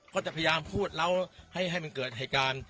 ก็จะพยายามพูดเล่าให้มันเกิดแห่งการ